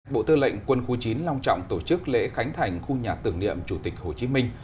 bộ tư lệnh quân khu chín long trọng tổ chức lễ khánh thành khu nhà tưởng niệm chủ tịch hồ chí minh